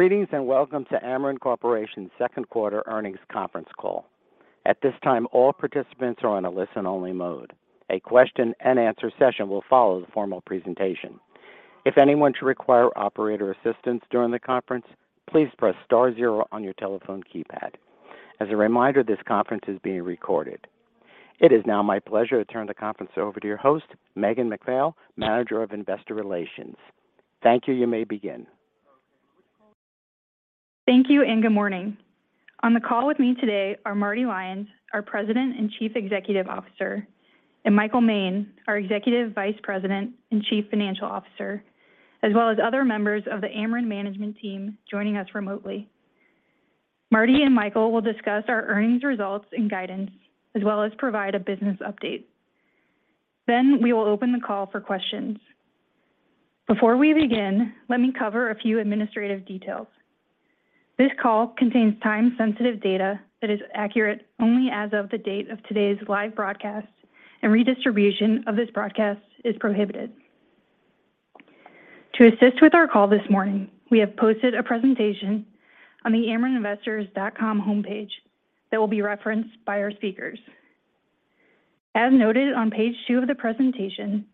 Greetings and welcome to Ameren Corporation's second quarter earnings conference call. At this time, all participants are on a listen only mode. A question and answer session will follow the formal presentation. If anyone should require operator assistance during the conference, please press star zero on your telephone keypad. As a reminder, this conference is being recorded. It is now my pleasure to turn the conference over to your host, Megan McPhail, Manager of Investor Relations. Thank you. You may begin. Thank you and good morning. On the call with me today are Marty Lyons, our President and Chief Executive Officer and Michael Moehn, our Executive Vice President and Chief Financial Officer, as well as other members of the Ameren management team joining us remotely. Marty and Michael will discuss our earnings results and guidance, as well as provide a business update. Then we will open the call for questions. Before we begin, let me cover a few administrative details. This call contains time-sensitive data that is accurate only as of the date of today's live broadcast and redistribution of this broadcast is prohibited. To assist with our call this morning, we have posted a presentation on the amereninvestors.com homepage that will be referenced by our speakers. As noted on page 2 of the presentation,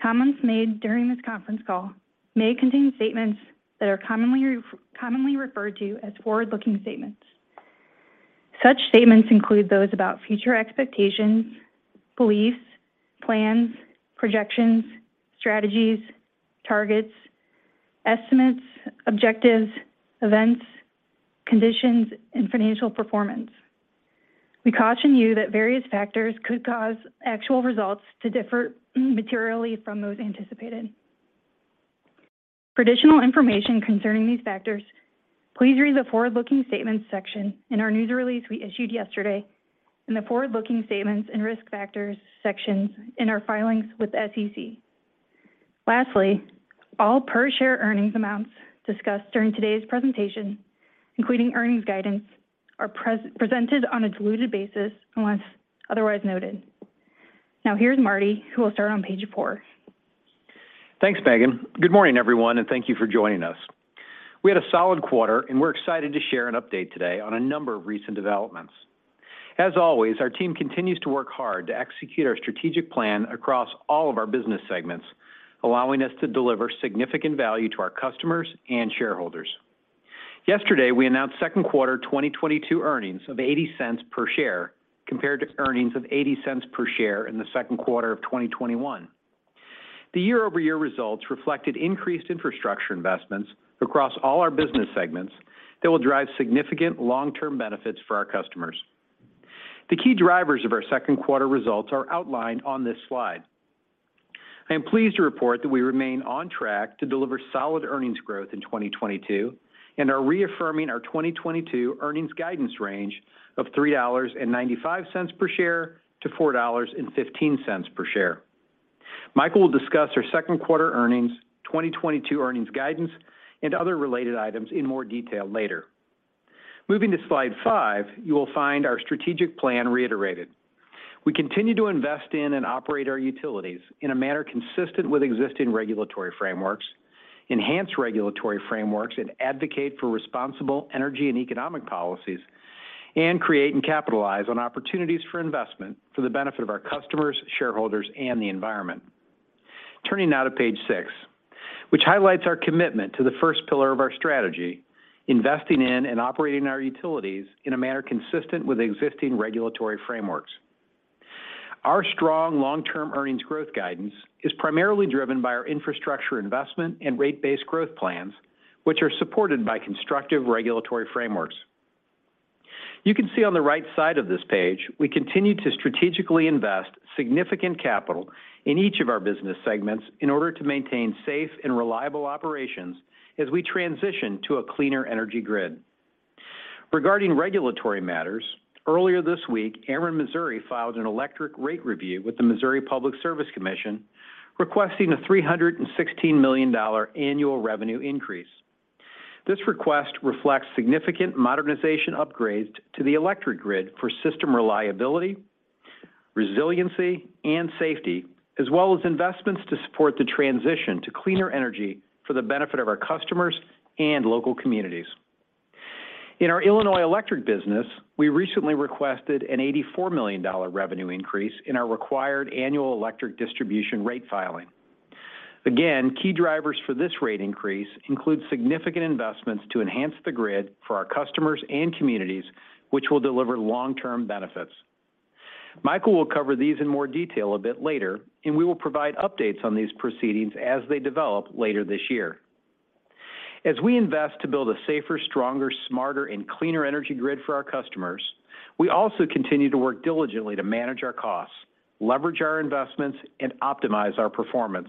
comments made during this conference call may contain statements that are commonly referred to as forward-looking statements. Such statements include those about future expectations, beliefs, plans, projections, strategies, targets, estimates, objectives, events, conditions and financial performance. We caution you that various factors could cause actual results to differ materially from those anticipated. For additional information concerning these factors, please read the forward-looking statements section in our news release we issued yesterday and the forward-looking statements and risk factors sections in our filings with SEC. Lastly, all per-share earnings amounts discussed during today's presentation, including earnings guidance, are presented on a diluted basis unless otherwise noted. Now here's Marty, who will start on page 4. Thanks, Megan. Good morning, everyone and thank you for joining us. We had a solid quarter and we're excited to share an update today on a number of recent developments. As always, our team continues to work hard to execute our strategic plan across all of our business segments, allowing us to deliver significant value to our customers and shareholders. Yesterday, we announced second quarter 2022 earnings of $0.80 per share, compared to earnings of $0.80 per share in the second quarter of 2021. The year-over-year results reflected increased infrastructure investments across all our business segments that will drive significant long-term benefits for our customers. The key drivers of our second quarter results are outlined on this slide. I am pleased to report that we remain on track to deliver solid earnings growth in 2022 and are reaffirming our 2022 earnings guidance range of $3.95 per share-$4.15 per share. Michael will discuss our second quarter earnings, 2022 earnings guidance and other related items in more detail later. Moving to slide 5, you will find our strategic plan reiterated. We continue to invest in and operate our utilities in a manner consistent with existing regulatory frameworks, enhance regulatory frameworks and advocate for responsible energy and economic policies and create and capitalize on opportunities for investment for the benefit of our customers, shareholders and the environment. Turning now to page 6, which highlights our commitment to the first pillar of our strategy, investing in and operating our utilities in a manner consistent with existing regulatory frameworks. Our strong long-term earnings growth guidance is primarily driven by our infrastructure investment and rate-based growth plans, which are supported by constructive regulatory frameworks. You can see on the right side of this page, we continue to strategically invest significant capital in each of our business segments in order to maintain safe and reliable operations as we transition to a cleaner energy grid. Regarding regulatory matters, earlier this week, Ameren Missouri filed an electric rate review with the Missouri Public Service Commission, requesting a $316 million annual revenue increase. This request reflects significant modernization upgrades to the electric grid for system reliability, resiliency and safety, as well as investments to support the transition to cleaner energy for the benefit of our customers and local communities. In our Illinois Electric business, we recently requested a $84 million revenue increase in our required annual electric distribution rate filing. Again, key drivers for this rate increase include significant investments to enhance the grid for our customers and communities, which will deliver long-term benefits. Michael will cover these in more detail a bit later and we will provide updates on these proceedings as they develop later this year. As we invest to build a safer, stronger, smarter and cleaner energy grid for our customers, we also continue to work diligently to manage our costs, leverage our investments and optimize our performance.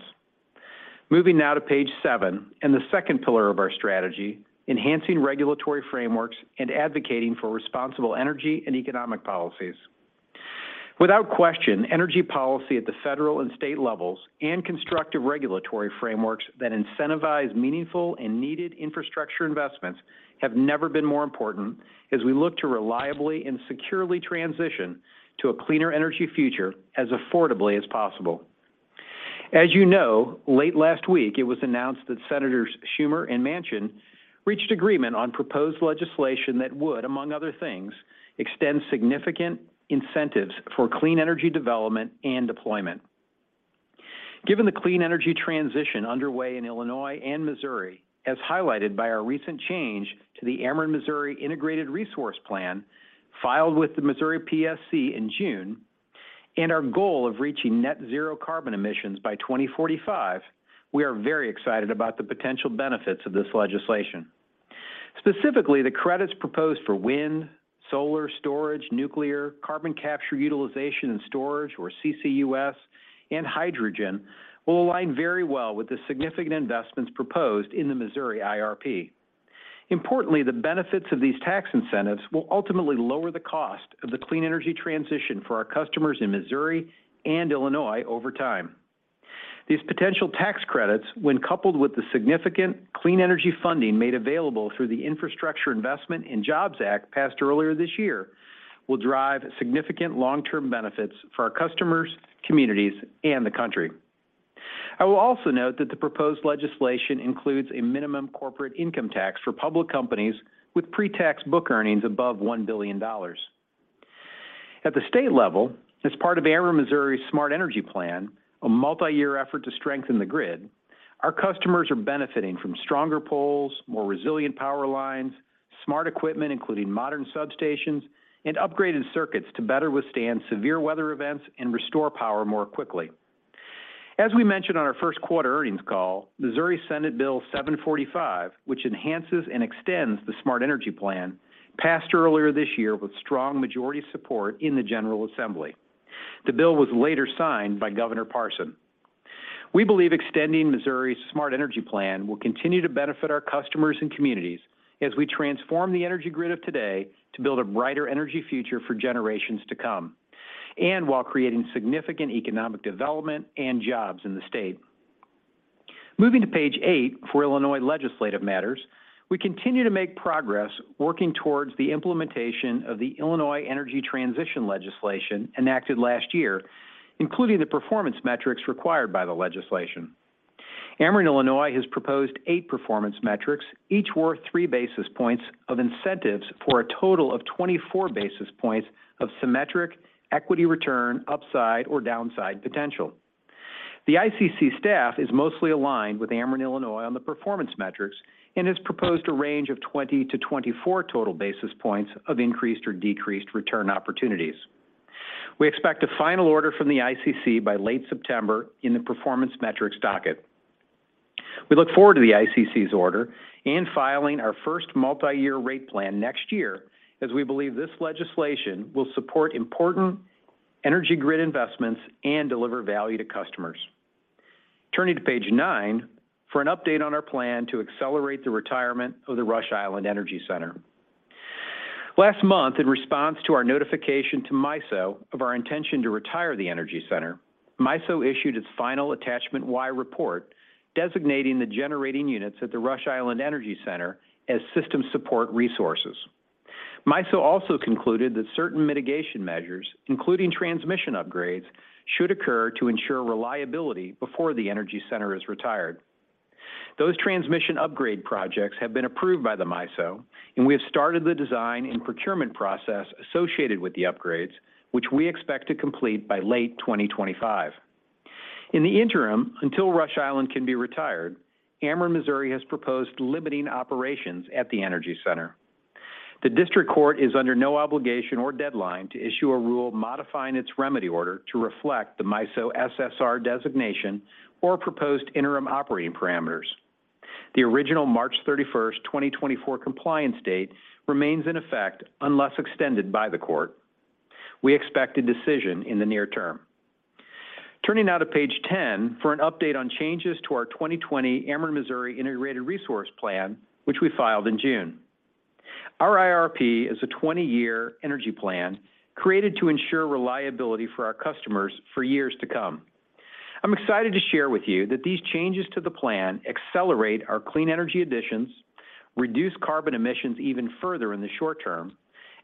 Moving now to page seven and the second pillar of our strategy, enhancing regulatory frameworks and advocating for responsible energy and economic policies. Without question, energy policy at the federal and state levels and constructive regulatory frameworks that incentivize meaningful and needed infrastructure investments have never been more important as we look to reliably and securely transition to a cleaner energy future as affordably as possible. As you know, late last week it was announced that Senators Schumer and Manchin reached agreement on proposed legislation that would, among other things, extend significant incentives for clean energy development and deployment. Given the clean energy transition underway in Illinois and Missouri, as highlighted by our recent change to the Ameren Missouri Integrated Resource Plan filed with the Missouri PSC in June and our goal of reaching net zero carbon emissions by 2045, we are very excited about the potential benefits of this legislation. Specifically, the credits proposed for wind, solar, storage, nuclear, carbon capture utilization and storage or CCUS and hydrogen will align very well with the significant investments proposed in the Missouri IRP. Importantly, the benefits of these tax incentives will ultimately lower the cost of the clean energy transition for our customers in Missouri and Illinois over time. These potential tax credits, when coupled with the significant clean energy funding made available through the Infrastructure Investment and Jobs Act passed earlier this year, will drive significant long-term benefits for our customers, communities and the country. I will also note that the proposed legislation includes a minimum corporate income tax for public companies with pre-tax book earnings above $1 billion. At the state level, as part of Ameren Missouri's Smart Energy Plan, a multi-year effort to strengthen the grid, our customers are benefiting from stronger poles, more resilient power lines, smart equipment, including modern substations and upgraded circuits to better withstand severe weather events and restore power more quickly. As we mentioned on our first quarter earnings call, Missouri Senate Bill 745, which enhances and extends the Smart Energy Plan, passed earlier this year with strong majority support in the General Assembly. The bill was later signed by Governor Parson. We believe extending Missouri's Smart Energy Plan will continue to benefit our customers and communities as we transform the energy grid of today to build a brighter energy future for generations to come and while creating significant economic development and jobs in the state. Moving to page 8 for Illinois legislative matters, we continue to make progress working towards the implementation of the Energy Transition Act enacted last year, including the performance metrics required by the legislation. Ameren Illinois has proposed eight performance metrics, each worth 3 basis points of incentives for a total of 24 basis points of symmetric equity return upside or downside potential. The ICC staff is mostly aligned with Ameren Illinois on the performance metrics and has proposed a range of 20-24 total basis points of increased or decreased return opportunities. We expect a final order from the ICC by late September in the performance metrics docket. We look forward to the ICC's order and filing our first multi-year rate plan next year, as we believe this legislation will support important energy grid investments and deliver value to customers. Turning to page nine for an update on our plan to accelerate the retirement of the Rush Island Energy Center. Last month, in response to our notification to MISO of our intention to retire the Energy Center, MISO issued its final Attachment Y report designating the generating units at the Rush Island Energy Center as system support resources. MISO also concluded that certain mitigation measures, including transmission upgrades, should occur to ensure reliability before the Energy Center is retired. Those transmission upgrade projects have been approved by the MISO and we have started the design and procurement process associated with the upgrades, which we expect to complete by late 2025. In the interim, until Rush Island can be retired, Ameren Missouri has proposed limiting operations at the Energy Center. The district court is under no obligation or deadline to issue a rule modifying its remedy order to reflect the MISO SSR designation or proposed interim operating parameters. The original 31 March 2024 compliance date remains in effect unless extended by the court. We expect a decision in the near term. Turning now to page 10 for an update on changes to our 2020 Ameren Missouri Integrated Resource Plan, which we filed in June. Our IRP is a 20-year energy plan created to ensure reliability for our customers for years to come. I'm excited to share with you that these changes to the plan accelerate our clean energy additions, reduce carbon emissions even further in the short term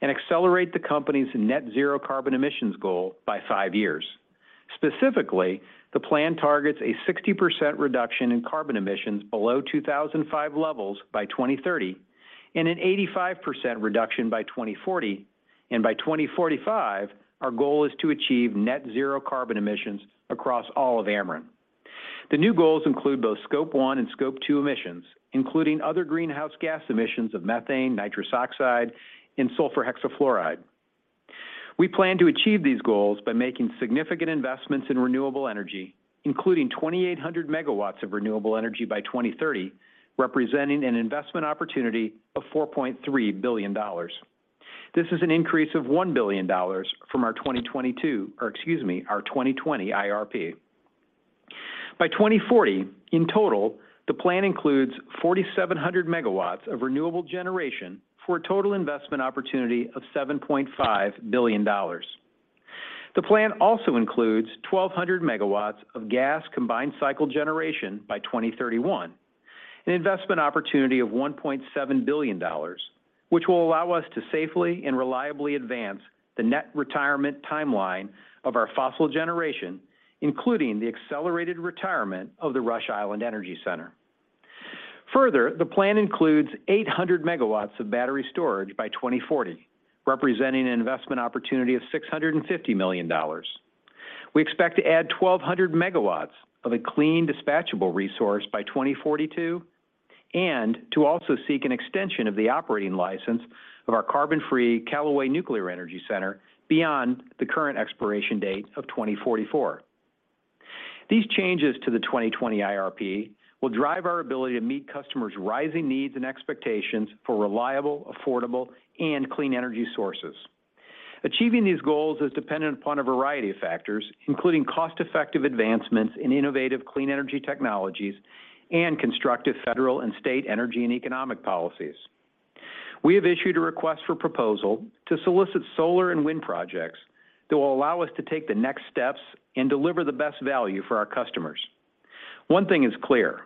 and accelerate the company's net zero carbon emissions goal by five years. Specifically, the plan targets a 60% reduction in carbon emissions below 2005 levels by 2030 and an 85% reduction by 2040. By 2045, our goal is to achieve net zero carbon emissions across all of Ameren. The new goals include both scope one and scope two emissions, including other greenhouse gas emissions of methane, nitrous oxide and sulfur hexafluoride. We plan to achieve these goals by making significant investments in renewable energy, including 2,800 megawatts of renewable energy by 2030, representing an investment opportunity of $4.3 billion. This is an increase of $1 billion from our 2022 or excuse me, our 2020 IRP. By 2040, in total, the plan includes 4,700 megawatts of renewable generation for a total investment opportunity of $7.5 billion. The plan also includes 1,200 megawatts of gas combined cycle generation by 2031. An investment opportunity of $1.7 billion, which will allow us to safely and reliably advance the net retirement timeline of our fossil generation, including the accelerated retirement of the Rush Island Energy Center. Further, the plan includes 800 megawatts of battery storage by 2040, representing an investment opportunity of $650 million. We expect to add 1,200 megawatts of a clean dispatchable resource by 2042 and to also seek an extension of the operating license of our carbon-free Callaway Nuclear Energy Center beyond the current expiration date of 2044. These changes to the 2020 IRP will drive our ability to meet customers' rising needs and expectations for reliable, affordable and clean energy sources. Achieving these goals is dependent upon a variety of factors, including cost-effective advancements in innovative clean energy technologies and constructive federal and state energy and economic policies. We have issued a request for proposal to solicit solar and wind projects that will allow us to take the next steps and deliver the best value for our customers. One thing is clear,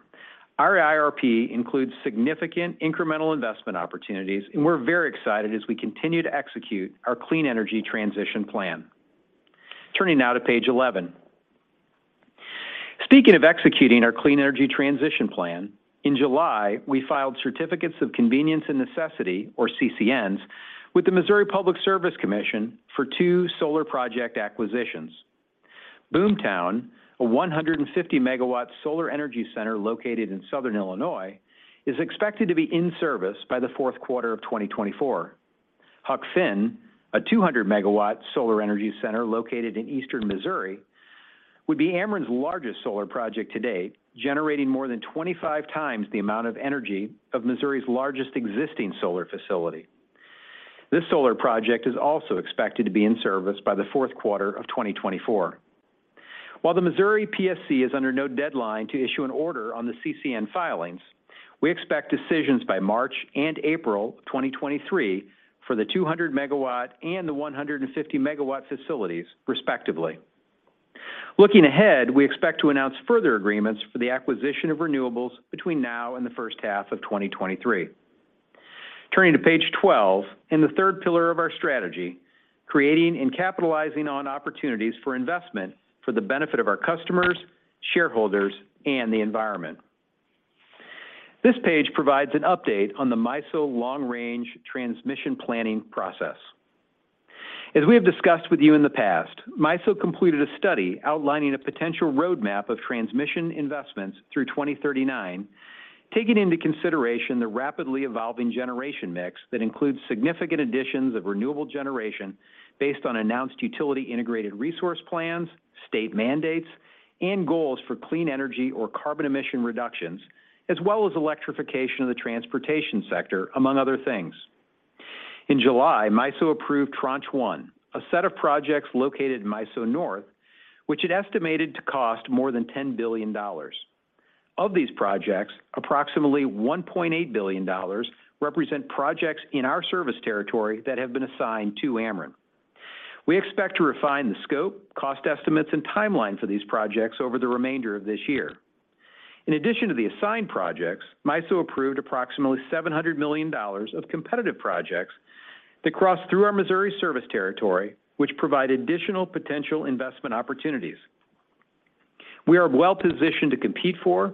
our IRP includes significant incremental investment opportunities and we're very excited as we continue to execute our clean energy transition plan. Turning now to page 11. Speaking of executing our clean energy transition plan, in July, we filed certificates of convenience and necessity or CCNs, with the Missouri Public Service Commission for two solar project acquisitions. Boomtown, a 150-megawatt solar energy center located in Southern Illinois, is expected to be in service by the fourth quarter of 2024. Huck Finn, a 200-MW solar energy center located in eastern Missouri, would be Ameren's largest solar project to date, generating more than 25 times the amount of energy of Missouri's largest existing solar facility. This solar project is also expected to be in service by the fourth quarter of 2024. While the Missouri PSC is under no deadline to issue an order on the CCN filings, we expect decisions by March and April 2023 for the 200-MW and the 150-MW facilities, respectively. Looking ahead, we expect to announce further agreements for the acquisition of renewables between now and the first half of 2023. Turning to page 12 and the third pillar of our strategy, creating and capitalizing on opportunities for investment for the benefit of our customers, shareholders and the environment. This page provides an update on the MISO long-range transmission planning process. As we have discussed with you in the past, MISO completed a study outlining a potential roadmap of transmission investments through 2039, taking into consideration the rapidly evolving generation mix that includes significant additions of renewable generation based on announced utility integrated resource plans, state mandates and goals for clean energy or carbon emission reductions, as well as electrification of the transportation sector, among other things. In July, MISO approved Tranche One, a set of projects located in MISO North, which it estimated to cost more than $10 billion. Of these projects, approximately $1.8 billion represent projects in our service territory that have been assigned to Ameren. We expect to refine the scope, cost estimates and timeline for these projects over the remainder of this year. In addition to the assigned projects, MISO approved approximately $700 million of competitive projects that cross through our Missouri service territory, which provide additional potential investment opportunities. We are well-positioned to compete for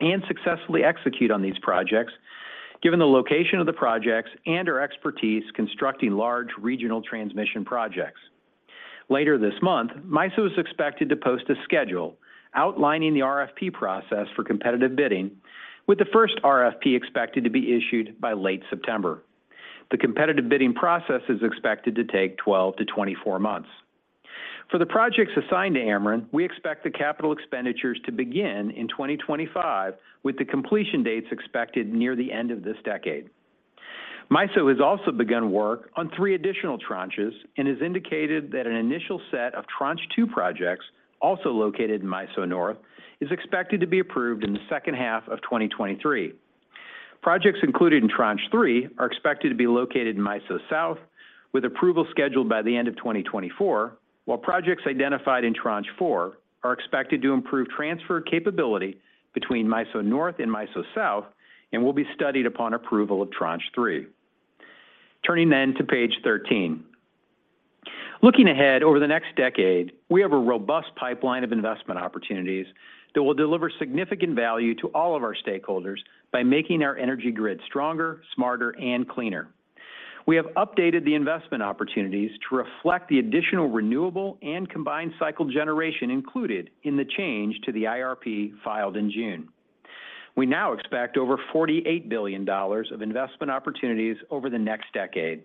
and successfully execute on these projects, given the location of the projects and our expertise constructing large regional transmission projects. Later this month, MISO is expected to post a schedule outlining the RFP process for competitive bidding, with the first RFP expected to be issued by late September. The competitive bidding process is expected to take 12-24 months. For the projects assigned to Ameren, we expect the capital expenditures to begin in 2025, with the completion dates expected near the end of this decade. MISO has also begun work on three additional tranches and has indicated that an initial set of Tranche Two projects, also located in MISO North, is expected to be approved in the second half of 2023. Projects included in Tranche Three are expected to be located in MISO South, with approval scheduled by the end of 2024, while projects identified in Tranche Four are expected to improve transfer capability between MISO North and MISO South and will be studied upon approval of Tranche Three. Turning to page 13. Looking ahead over the next decade, we have a robust pipeline of investment opportunities that will deliver significant value to all of our stakeholders by making our energy grid stronger, smarter and cleaner. We have updated the investment opportunities to reflect the additional renewable and combined cycle generation included in the change to the IRP filed in June. We now expect over $48 billion of investment opportunities over the next decade.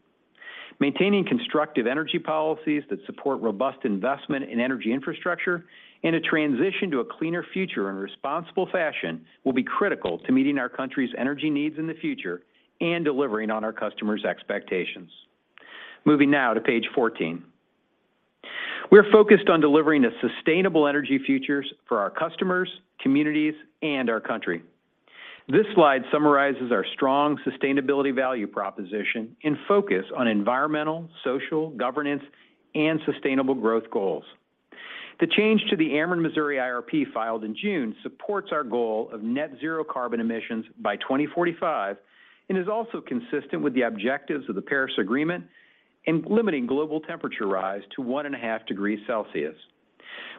Maintaining constructive energy policies that support robust investment in energy infrastructure and a transition to a cleaner future in a responsible fashion will be critical to meeting our country's energy needs in the future and delivering on our customers' expectations. Moving now to page 14. We're focused on delivering a sustainable energy futures for our customers, communities and our country. This slide summarizes our strong sustainability value proposition and focus on environmental, social, governance and sustainable growth goals. The change to the Ameren Missouri IRP filed in June supports our goal of net zero carbon emissions by 2045 and is also consistent with the objectives of the Paris Agreement in limiting global temperature rise to 1.5 degrees Celsius.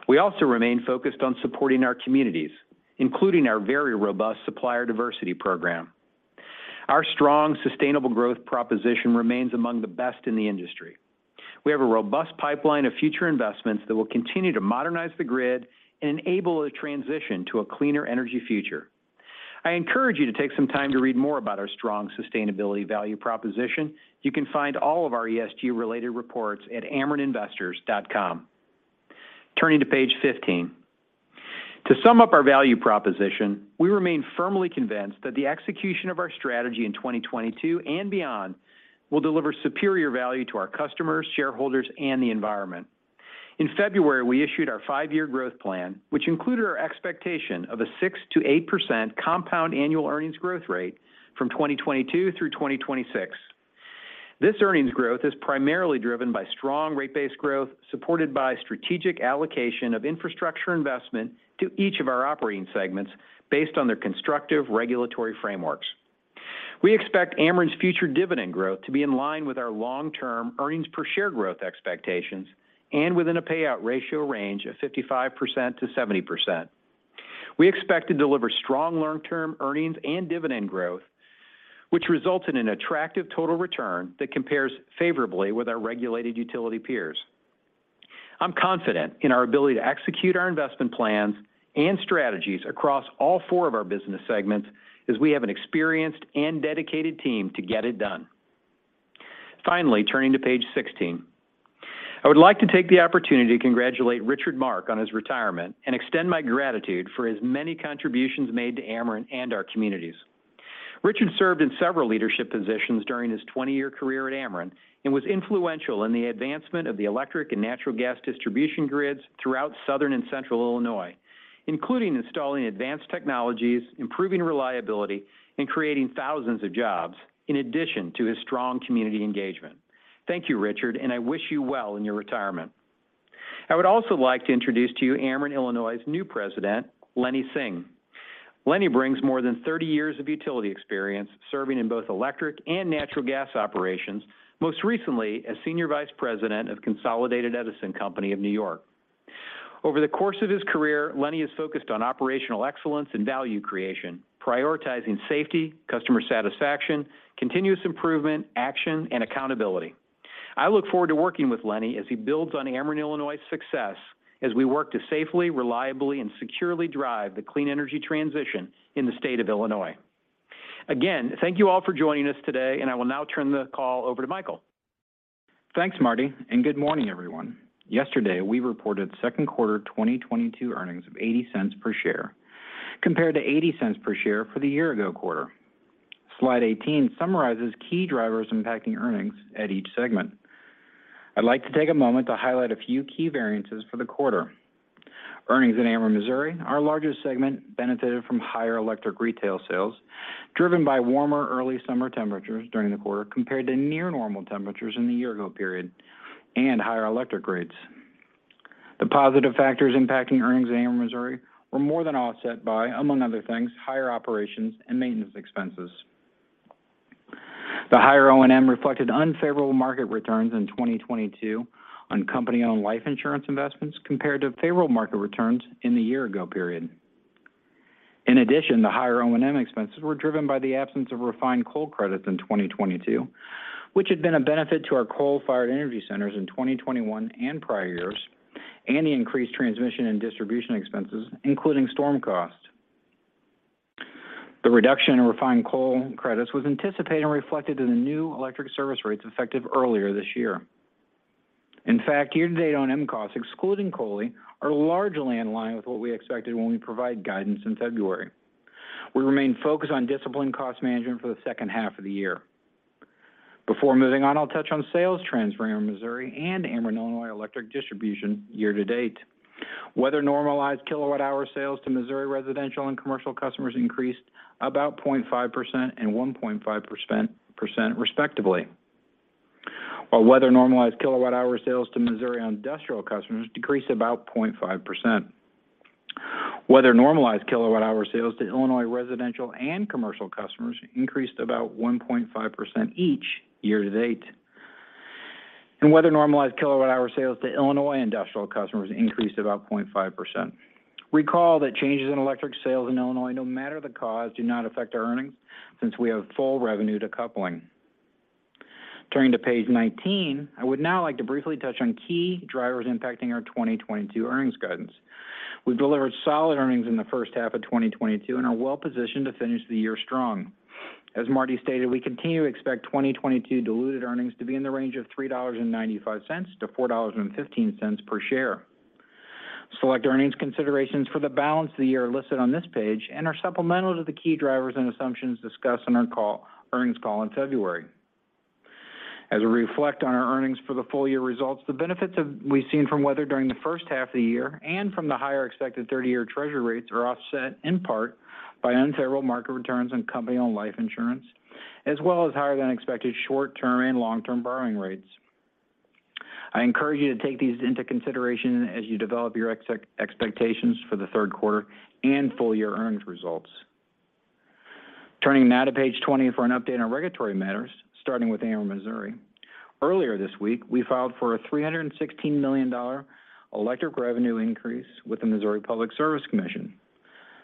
We also remain focused on supporting our communities, including our very robust supplier diversity program. Our strong, sustainable growth proposition remains among the best in the industry. We have a robust pipeline of future investments that will continue to modernize the grid and enable a transition to a cleaner energy future. I encourage you to take some time to read more about our strong sustainability value proposition. You can find all of our ESG-related reports at amereninvestors.com. Turning to page 15. To sum up our value proposition, we remain firmly convinced that the execution of our strategy in 2022 and beyond will deliver superior value to our customers, shareholders and the environment. In February, we issued our five-year growth plan, which included our expectation of a 6%-8% compound annual earnings growth rate from 2022 through 2026. This earnings growth is primarily driven by strong rate-based growth, supported by strategic allocation of infrastructure investment to each of our operating segments based on their constructive regulatory frameworks. We expect Ameren's future dividend growth to be in line with our long-term earnings per share growth expectations and within a payout ratio range of 55%-70%. We expect to deliver strong long-term earnings and dividend growth, which result in an attractive total return that compares favorably with our regulated utility peers. I'm confident in our ability to execute our investment plans and strategies across all four of our business segments as we have an experienced and dedicated team to get it done. Finally, turning to page 16. I would like to take the opportunity to congratulate Richard Mark on his retirement and extend my gratitude for his many contributions made to Ameren and our communities. Richard served in several leadership positions during his 20-year career at Ameren and was influential in the advancement of the electric and natural gas distribution grids throughout Southern and Central Illinois, including installing advanced technologies, improving reliability and creating thousands of jobs, in addition to his strong community engagement. Thank you, Richard and I wish you well in your retirement. I would also like to introduce to you Ameren Illinois' new president, Lenny Singh. Lenny brings more than 30 years of utility experience serving in both electric and natural gas operations, most recently as Senior Vice President of Consolidated Edison Company of New York. Over the course of his career, Lenny has focused on operational excellence and value creation, prioritizing safety, customer satisfaction, continuous improvement, action and accountability. I look forward to working with Lenny as he builds on Ameren Illinois' success as we work to safely, reliably and securely drive the clean energy transition in the state of Illinois. Again, thank you all for joining us today and I will now turn the call over to Michael. Thanks, Marty and good morning, everyone. Yesterday, we reported second quarter 2022 earnings of $0.80 per share compared to $0.80 per share for the year ago quarter. Slide 18 summarizes key drivers impacting earnings at each segment. I'd like to take a moment to highlight a few key variances for the quarter. Earnings in Ameren Missouri, our largest segment, benefited from higher electric retail sales, driven by warmer early summer temperatures during the quarter compared to near normal temperatures in the year ago period and higher electric rates. The positive factors impacting earnings in Ameren Missouri were more than offset by, among other things, higher operations and maintenance expenses. The higher O&M reflected unfavorable market returns in 2022 on company-owned life insurance investments compared to favorable market returns in the year ago period. In addition, the higher O&M expenses were driven by the absence of refined coal credits in 2022, which had been a benefit to our coal-fired energy centers in 2021 and prior years and the increased transmission and distribution expenses, including storm costs. The reduction in refined coal credits was anticipated and reflected in the new electric service rates effective earlier this year. In fact, year-to-date O&M costs, excluding COLI, are largely in line with what we expected when we provided guidance in February. We remain focused on disciplined cost management for the second half of the year. Before moving on, I'll touch on sales trends for Ameren Missouri and Ameren Illinois Electric Distribution year-to-date. Weather-normalized kilowatt-hour sales to Missouri residential and commercial customers increased about 0.5% and 1.5% respectively, while weather-normalized kilowatt-hour sales to Missouri industrial customers decreased about 0.5%. Weather-normalized kilowatt-hour sales to Illinois residential and commercial customers increased about 1.5% year-to-date. Weather-normalized kilowatt-hour sales to Illinois industrial customers increased about 0.5%. Recall that changes in electric sales in Illinois, no matter the cause, do not affect our earnings since we have full revenue decoupling. Turning to page 19, I would now like to briefly touch on key drivers impacting our 2022 earnings guidance. We've delivered solid earnings in the first half of 2022 and are well-positioned to finish the year strong. As Marty stated, we continue to expect 2022 diluted earnings to be in the range of $3.95-$4.15 per share. Select earnings considerations for the balance of the year are listed on this page and are supplemental to the key drivers and assumptions discussed on our earnings call in February. As we reflect on our earnings for the full year results, the benefits we've seen from weather during the first half of the year and from the higher expected 30-year Treasury rates are offset in part by unfavorable market returns on company-owned life insurance, as well as higher than expected short-term and long-term borrowing rates. I encourage you to take these into consideration as you develop your expectations for the third quarter and full year earnings results. Turning now to page 20 for an update on regulatory matters, starting with Ameren Missouri. Earlier this week, we filed for a $316 million electric revenue increase with the Missouri Public Service Commission.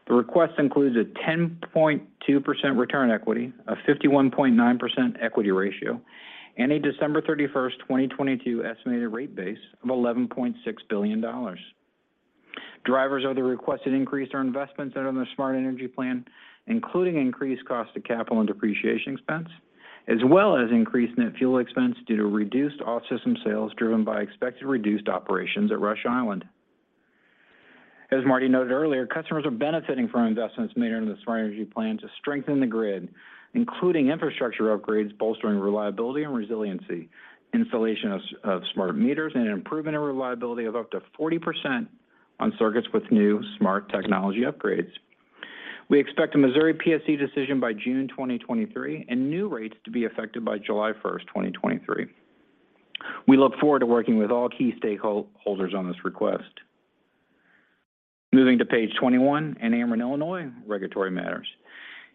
The request includes a 10.2% return equity, a 51.9% equity ratio and a 31 December 2022 estimated rate base of $11.6 billion. Drivers of the requested increase are investments out on their Smart Energy Plan, including increased cost of capital and depreciation expense, as well as increased net fuel expense due to reduced off-system sales driven by expected reduced operations at Rush Island. As Marty noted earlier, customers are benefiting from investments made under the Smart Energy Plan to strengthen the grid, including infrastructure upgrades bolstering reliability and resiliency, installation of smart meters and an improvement in reliability of up to 40% on circuits with new smart technology upgrades. We expect a Missouri PSC decision by June 2023 and new rates to be effective by 1 July 2023. We look forward to working with all key stakeholders on this request. Moving to page 21, in Ameren Illinois regulatory matters.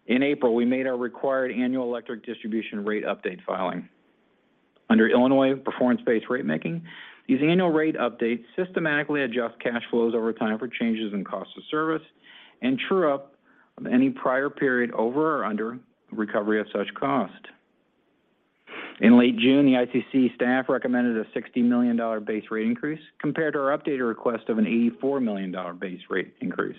In April, we made our required annual electric distribution rate update filing. Under Illinois performance-based ratemaking, these annual rate updates systematically adjust cash flows over time for changes in cost of service and true up any prior period over or under recovery of such cost. In late June, the ICC staff recommended a $60 million base rate increase compared to our updated request of an $84 million base rate increase.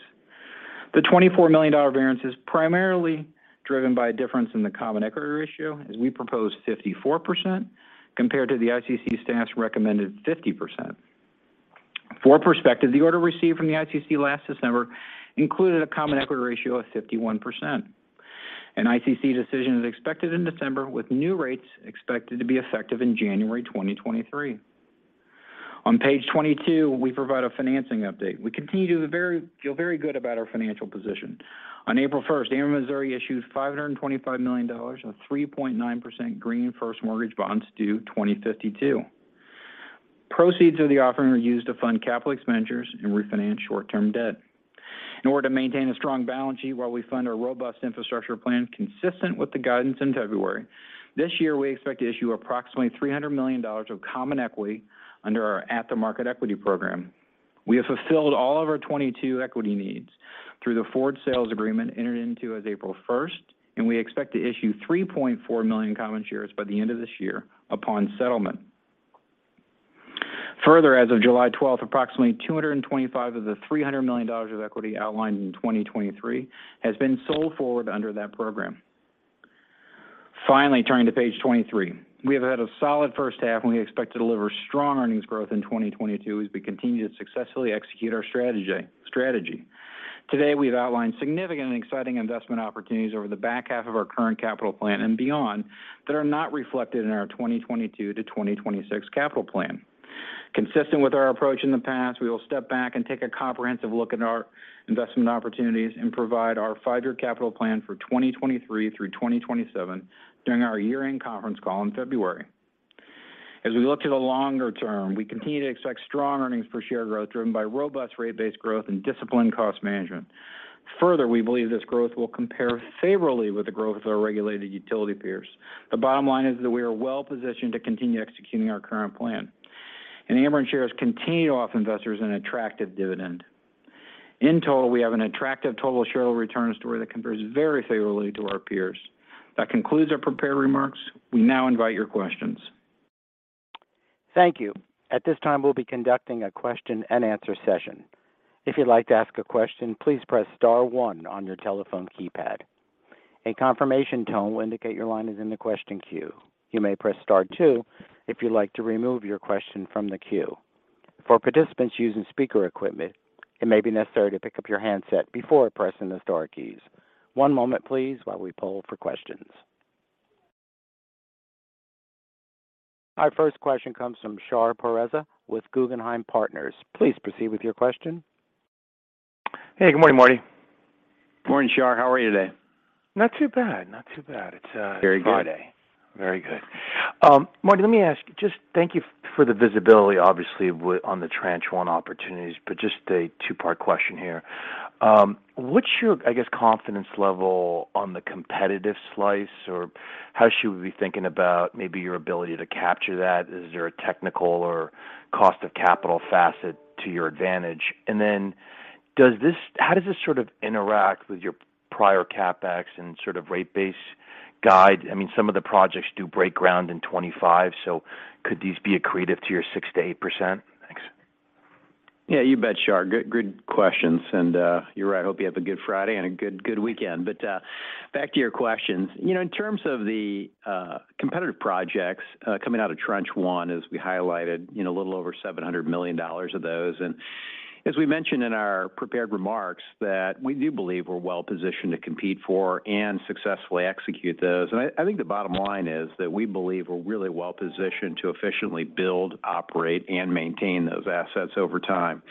The $24 million variance is primarily driven by a difference in the common equity ratio, as we proposed 54% compared to the ICC staff's recommended 50%. For perspective, the order received from the ICC last December included a common equity ratio of 51%. An ICC decision is expected in December, with new rates expected to be effective in January 2023. On page 22, we provide a financing update. We continue to feel very good about our financial position. On 1 April, Ameren Missouri issued $525 million of 3.9% green first mortgage bonds due 2052. Proceeds of the offering are used to fund capital expenditures and refinance short-term debt. In order to maintain a strong balance sheet while we fund our robust infrastructure plan consistent with the guidance in February, this year we expect to issue approximately $300 million of common equity under our at the market equity program. We have fulfilled all of our 22 equity needs through the forward sales agreement entered into as 1 April and we expect to issue 3.4 million common shares by the end of this year upon settlement. Further, as of 12 July approximately 225 of the $300 million of equity outlined in 2023 has been sold forward under that program. Finally, turning to page 23. We have had a solid first half and we expect to deliver strong earnings growth in 2022 as we continue to successfully execute our strategy. Today, we've outlined significant and exciting investment opportunities over the back half of our current capital plan and beyond that are not reflected in our 2022 to 2026 capital plan. Consistent with our approach in the past, we will step back and take a comprehensive look at our investment opportunities and provide our five-year capital plan for 2023 through 2027 during our year-end conference call in February. As we look to the longer term, we continue to expect strong earnings per share growth driven by robust rate-based growth and disciplined cost management. Further, we believe this growth will compare favorably with the growth of our regulated utility peers. The bottom line is that we are well-positioned to continue executing our current plan. Ameren shares continue to offer investors an attractive dividend. In total, we have an attractive total shareholder return story that compares very favorably to our peers. That concludes our prepared remarks. We now invite your questions. Thank you. At this time, we'll be conducting a question and answer session. If you'd like to ask a question, please press star one on your telephone keypad. A confirmation tone will indicate your line is in the question queue. You may press star two if you'd like to remove your question from the queue. For participants using speaker equipment, it may be necessary to pick up your handset before pressing the star keys. One moment, please, while we poll for questions. Our first question comes from Shar Pourreza with Guggenheim Partners. Please proceed with your question. Hey, good morning, Marty. Morning, Shar. How are you today? Not too bad, not too bad. Very good. Friday. Very good. Marty, let me ask, just thank you for the visibility, obviously on the Tranche One opportunities but just a two-part question here. What's your, I guess, confidence level on the competitive slice? Or how should we be thinking about maybe your ability to capture that? Is there a technical or cost of capital facet to your advantage? And then does this, how does this sort of interact with your prior CapEx and sort of rate base guide? I mean, some of the projects do break ground in 2025, so could these be accretive to your 6%-8%? Thanks. Yeah, you bet, Shar. Good questions. You're right, I hope you have a good Friday and a good weekend. Back to your questions. You know, in terms of the competitive projects coming out of Tranche One, as we highlighted, you know, a little over $700 million of those. As we mentioned in our prepared remarks that we do believe we're well-positioned to compete for and successfully execute those. I think the bottom line is that we believe we're really well-positioned to efficiently build, operate and maintain those assets over time.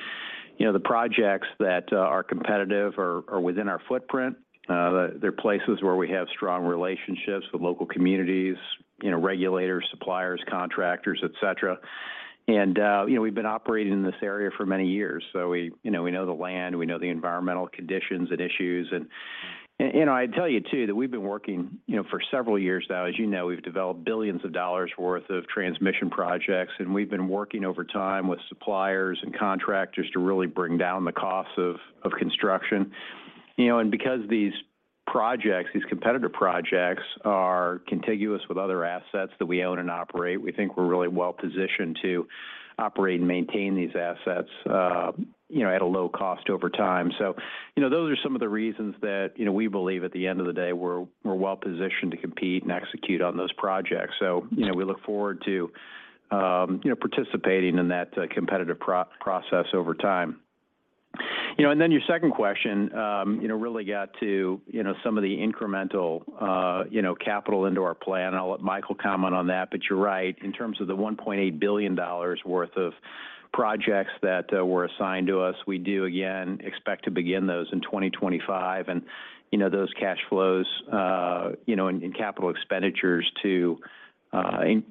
You know, the projects that are competitive are within our footprint. They're places where we have strong relationships with local communities, you know, regulators, suppliers, contractors, et cetera. You know, we've been operating in this area for many years, so we, you know, we know the land, we know the environmental conditions and issues. You know, I'd tell you too, that we've been working, you know, for several years now. As you know, we've developed billions of dollars' worth of transmission projects and we've been working over time with suppliers and contractors to really bring down the cost of construction. You know, because these projects, these competitive projects are contiguous with other assets that we own and operate, we think we're really well-positioned to operate and maintain these assets, you know, at a low cost over time. You know, those are some of the reasons that, you know, we believe at the end of the day, we're well-positioned to compete and execute on those projects. You know, we look forward to, you know, participating in that competitive process over time. You know and then your second question really got to some of the incremental, you know, capital into our plan. I'll let Michael comment on that. You're right, in terms of the $1.8 billion worth of projects that were assigned to us, we do again expect to begin those in 2025. You know, those cash flows in capital expenditures to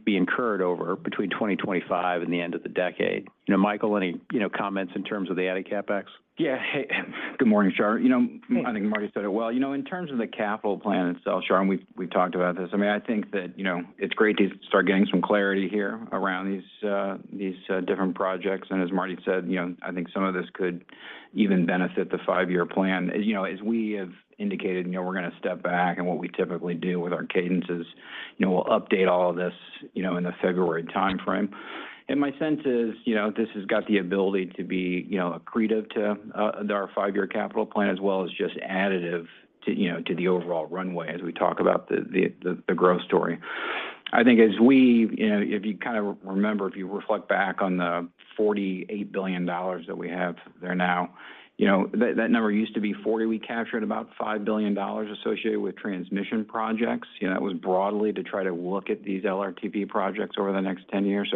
be incurred over between 2025 and the end of the decade. You know, Michael, any, you know, comments in terms of the added CapEx? Yeah. Hey. Good morning, Shar. You know, i think Marty said it well. You know, in terms of the capital plan itself, Shar and we've talked about this, I mean, I think that, you know, it's great to start getting some clarity here around these different projects. As Marty said, you know, I think some of this could even benefit the five-year plan. As you know, as we have indicated, you know, we're gonna step back and what we typically do with our cadence is, you know, we'll update all of this, you know, in the February timeframe. My sense is, you know, this has got the ability to be, you know, accretive to our five-year capital plan, as well as just additive to, you know, to the overall runway, as we talk about the growth story. I think as we you know, if you kind of remember, if you reflect back on the $48 billion that we have there now, you know, that number used to be 40. We captured about $5 billion associated with transmission projects. You know, that was broadly to try to look at these LRTP projects over the next 10 years.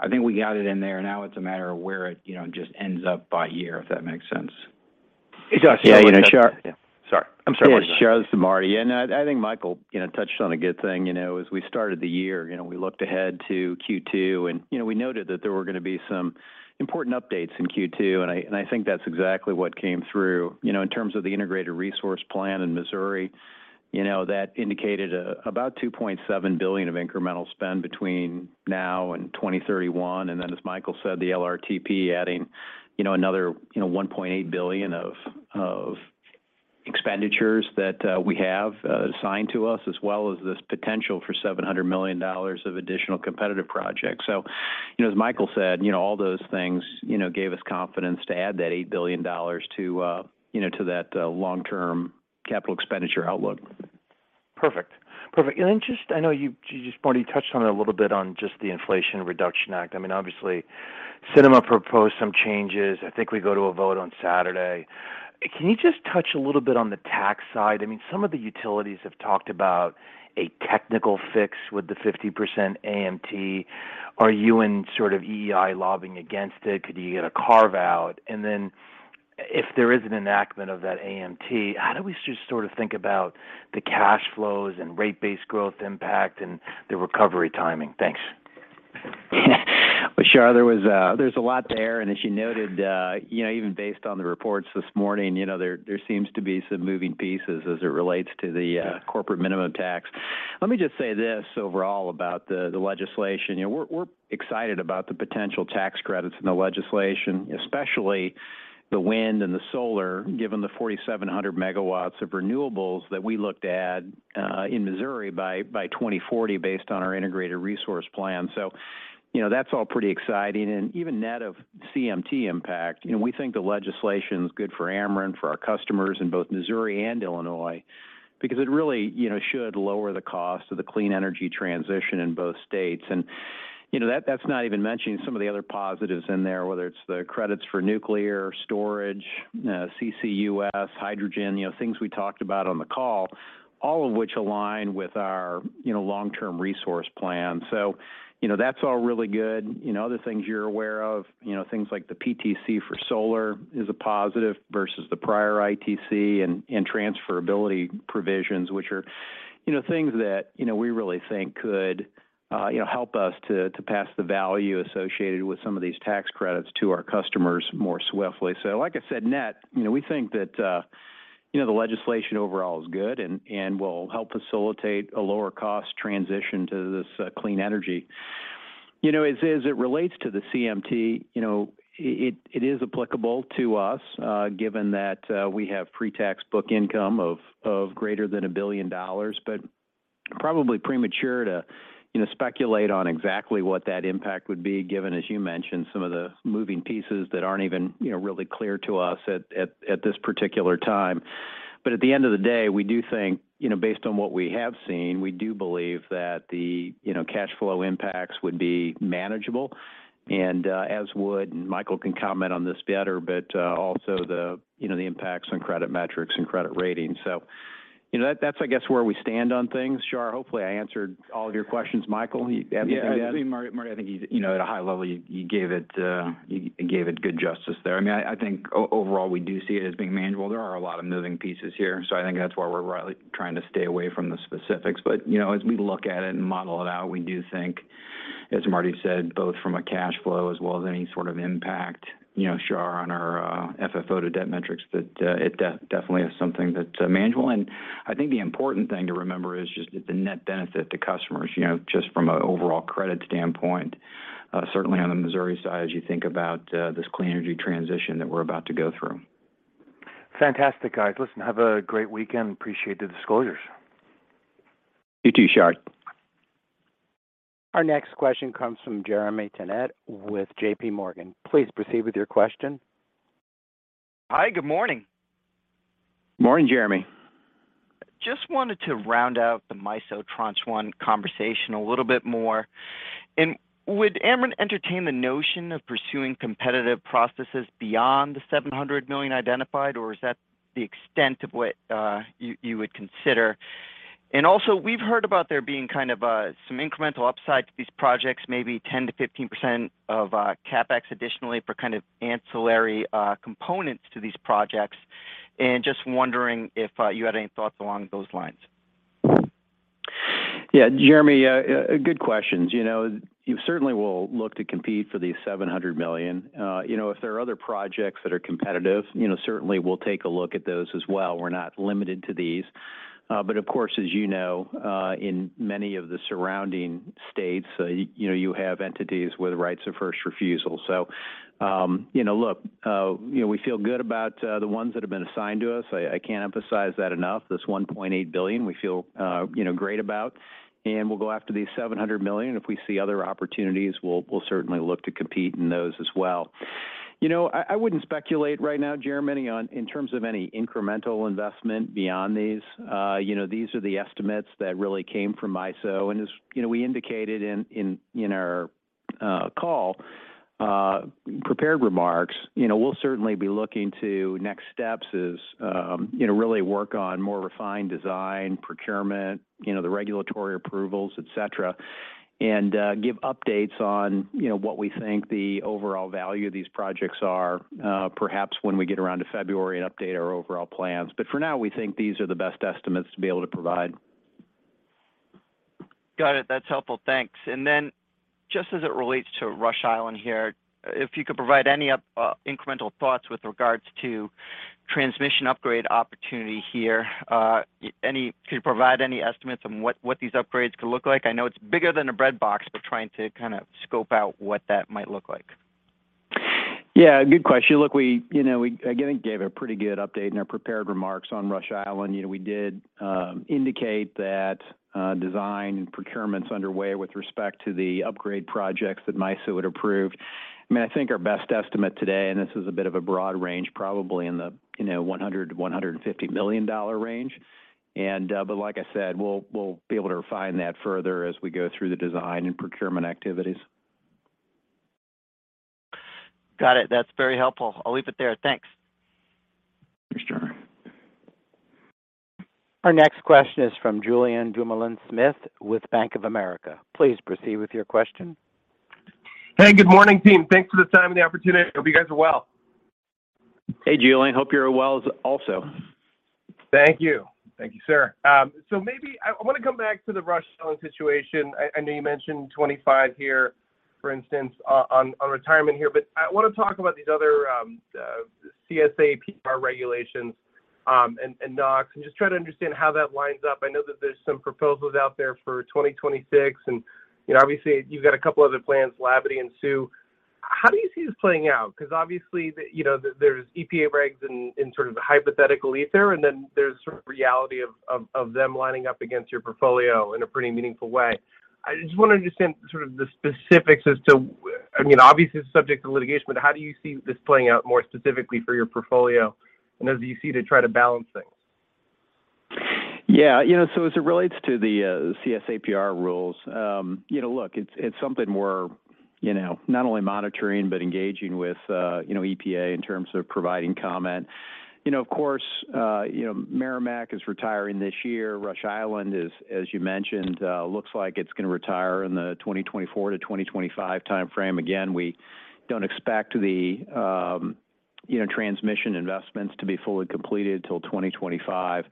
I think we got it in there. Now it's a matter of where it, you know, just ends up by year, if that makes sense. It does. Yeah you know, Shar. Sorry. I'm sorry. Yeah. Shar, this is Marty. I think Michael, you know, touched on a good thing. You know, as we started the year, you know, we looked ahead to Q2 and, you know, we noted that there were gonna be some important updates in Q2 and I think that's exactly what came through. You know, in terms of the integrated resource plan in Missouri, you know, that indicated about $2.7 billion of incremental spend between now and 2031. Then as Michael said, the LRTP adding, you know, another, you know, $1.8 billion of expenditures that we have assigned to us, as well as this potential for $700 million of additional competitive projects. You know, as Michael said, you know, all those things, you know, gave us confidence to add that $8 billion to, you know, to that, long-term capital expenditure outlook. Perfect. Perfect. Just, I know you just, Marty, touched on it a little bit on just the Inflation Reduction Act. I mean, obviously, Sinema proposed some changes. I think we go to a vote on Saturday. Can you just touch a little bit on the tax side? I mean, some of the utilities have talked about a technical fix with the 50% AMT. Are you and sort of EEI lobbying against it? Could you get a carve-out? If there is an enactment of that AMT, how do we sort of think about the cash flows and rate-based growth impact and the recovery timing? Thanks. Well, Shar, there was, there's a lot there and as you noted, you know, even based on the reports this morning, you know, there seems to be some moving pieces as it relates to the corporate minimum tax. Let me just say this overall about the legislation. You know, we're excited about the potential tax credits in the legislation, especially the wind and the solar, given the 4,700 megawatts of renewables that we looked at in Missouri by 2040 based on our integrated resource plan. So, you know, that's all pretty exciting. Even net of CMT impact, you know, we think the legislation's good for Ameren, for our customers in both Missouri and Illinois because it really, you know, should lower the cost of the clean energy transition in both states. You know, that's not even mentioning some of the other positives in there, whether it's the credits for nuclear storage, CCUS, hydrogen, you know, things we talked about on the call, all of which align with our, you know, long-term resource plan. You know, that's all really good. You know, other things you're aware of, you know, things like the PTC for solar is a positive versus the prior ITC and transferability provisions, which are, you know, things that, you know, we really think could, you know, help us to pass the value associated with some of these tax credits to our customers more swiftly. Like I said, net, you know, we think that, you know, the legislation overall is good and will help facilitate a lower cost transition to this, clean energy. You know, as it relates to the CMT, you know, it is applicable to us, given that we have pre-tax book income of greater than $1 billion. Probably premature to, you know, speculate on exactly what that impact would be given, as you mentioned, some of the moving pieces that aren't even, you know, really clear to us at this particular time. At the end of the day, we do think, you know, based on what we have seen, we do believe that the, you know, cash flow impacts would be manageable and as would and Michael can comment on this better but also the, you know, the impacts on credit metrics and credit ratings. You know, that's, I guess, where we stand on things, Shar. Hopefully, I answered all of your questions. Michael, you have anything to add? Yeah. I mean, Marty, I think you know at a high level you gave it good justice there. I mean, I think overall, we do see it as being manageable. There are a lot of moving pieces here. I think that's why we're trying to stay away from the specifics. You know, as we look at it and model it out, we do think, as Marty said, both from a cash flow as well as any sort of impact, you know, Shar, on our FFO to debt metrics, that it definitely is something that's manageable. I think the important thing to remember is just the net benefit to customers, you know, just from an overall credit standpoint, certainly on the Missouri side, as you think about this clean energy transition that we're about to go through. Fantastic, guys. Listen, have a great weekend. Appreciate the disclosures. You too, Shar. Our next question comes from Jeremy Tonet with JPMorgan. Please proceed with your question. Hi. Good morning. Morning, Jeremy. Just wanted to round out the MISO Tranche One conversation a little bit more. Would Ameren entertain the notion of pursuing competitive processes beyond the $700 million identified or is that the extent of what you would consider? Also, we've heard about there being kind of some incremental upside to these projects, maybe 10%-15% of CapEx additionally for kind of ancillary components to these projects. Just wondering if you had any thoughts along those lines. Yeah. Jeremy, good questions. You know, you certainly will look to compete for these $700 million. You know, if there are other projects that are competitive, you know, certainly we'll take a look at those as well. We're not limited to these. But of course, as you know, in many of the surrounding states, you know, you have entities with rights of first refusal. You know, look, you know, we feel good about the ones that have been assigned to us. I can't emphasize that enough. This $1.8 billion, we feel, you know, great about and we'll go after these $700 million. If we see other opportunities, we'll certainly look to compete in those as well. You know, I wouldn't speculate right now, Jeremy, in terms of any incremental investment beyond these. You know, these are the estimates that really came from MISO. As you know, we indicated in our call prepared remarks, you know, we'll certainly be looking to next steps as you know, really work on more refined design, procurement, you know, the regulatory approvals, et cetera and give updates on you know, what we think the overall value of these projects are, perhaps when we get around to February and update our overall plans. For now, we think these are the best estimates to be able to provide. Got it. That's helpful. Thanks. Then just as it relates to Rush Island here, if you could provide any incremental thoughts with regards to transmission upgrade opportunity here. Could you provide any estimates on what these upgrades could look like? I know it's bigger than a breadbox but trying to kind of scope out what that might look like. Yeah, good question. Look, we, you know, we again gave a pretty good update in our prepared remarks on Rush Island. You know, we did indicate that design and procurement's underway with respect to the upgrade projects that MISO had approved. I mean, I think our best estimate today and this is a bit of a broad range, probably in the, you know, $100 million-$150 million range. But like I said, we'll be able to refine that further as we go through the design and procurement activities. Got it. That's very helpful. I'll leave it there. Thanks. Thanks, Jeremy. Our next question is from Julien Dumoulin-Smith with Bank of America. Please proceed with your question. Hey, good morning team. Thanks for the time and the opportunity. I hope you guys are well. Hey, Julien. Hope you're well, also. Thank you. Thank you, sir. Maybe I wanna come back to the Rush Island situation. I know you mentioned 2025 here, for instance, on retirement here. I wanna talk about these other CSAPR regulations and NOx and just try to understand how that lines up. I know that there's some proposals out there for 2026 and you know, obviously you've got a couple other plants, Labadie and Sioux. How do you see this playing out? Because obviously you know, there's EPA regs in sort of the hypothetical ether and then there's sort of reality of them lining up against your portfolio in a pretty meaningful way. I just wanna understand sort of the specifics as to, I mean obviously the subject of litigation but how do you see this playing out more specifically for your portfolio and as you see to try to balance things? Yeah. You know, so as it relates to the CSAPR rules, you know, look, it's something we're, you know, not only monitoring but engaging with, you know, EPA in terms of providing comment. You know, of course, you know, Meramec is retiring this year. Rush Island is, as you mentioned, looks like it's gonna retire in the 2024-2025 timeframe. Again, we don't expect the, you know, transmission investments to be fully completed till 2025.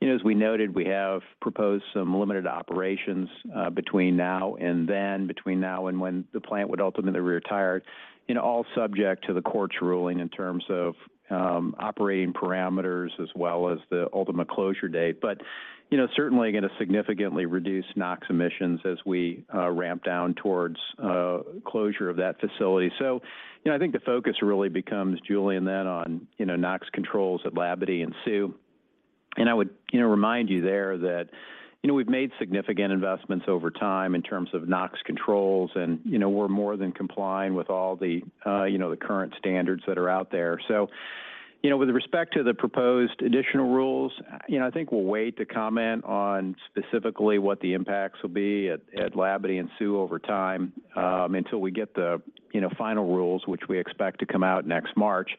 You know, as we noted, we have proposed some limited operations, between now and then, between now and when the plant would ultimately retire, you know, all subject to the court's ruling in terms of, operating parameters as well as the ultimate closure date. You know, certainly gonna significantly reduce NOx emissions as we ramp down towards closure of that facility. You know, I think the focus really becomes, Julien, then on, you know, NOx controls at Labadie and Sioux. I would, you know, remind you there that, you know, we've made significant investments over time in terms of NOx controls and, you know, we're more than complying with all the, you know, the current standards that are out there. You know, with respect to the proposed additional rules, you know, I think we'll wait to comment on specifically what the impacts will be at Labadie and Sioux over time, until we get the, you know, final rules which we expect to come out next March.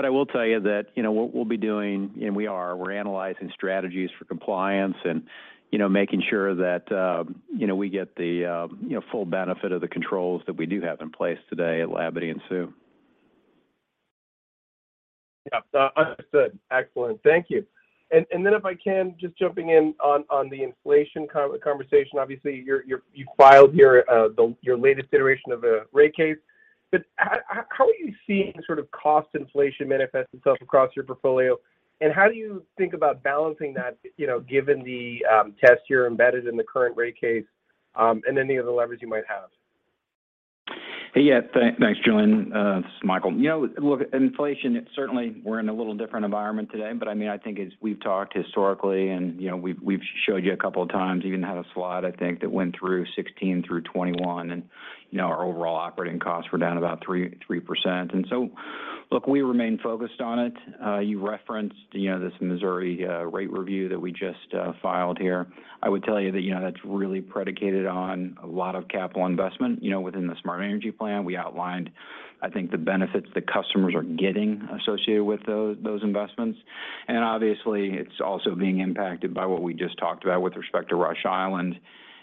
I will tell you that, you know, what we'll be doing and we are, we're analyzing strategies for compliance and, you know, making sure that, you know, we get the, you know, full benefit of the controls that we do have in place today at Labadie and Sioux. Yeah. Understood. Excellent. Thank you. Then if I can, just jumping in on the inflation conversation. Obviously, you filed your latest iteration of a rate case. But how are you seeing sort of cost inflation manifest itself across your portfolio? And how do you think about balancing that, you know, given the test year embedded in the current rate case and any of the levers you might have? Hey, yeah. Thanks, Julien. This is Michael. You know, look, inflation, certainly we're in a little different environment today. I mean, I think as we've talked historically and, you know, we've showed you a couple of times, even had a slide, I think, that went through 2016 through 2021 and, you know, our overall operating costs were down about 3%. We remain focused on it. You referenced, you know, this Missouri rate review that we just filed here. I would tell you that, you know, that's really predicated on a lot of capital investment, you know, within the Smart Energy Plan. We outlined, I think, the benefits that customers are getting associated with those investments. Obviously, it's also being impacted by what we just talked about with respect to Rush Island